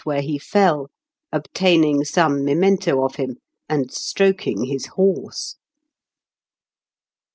where he fell, obtaining some memento of him, and stroking his horse